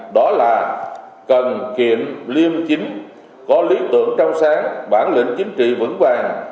đó là cần kiệm liêm chính có lý tưởng trong sáng bản lĩnh chính trị vững vàng